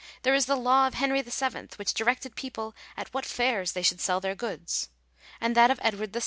There is the law of Henry VII., which directed people at what fairs they should sell their goods ; and that of Edward VI.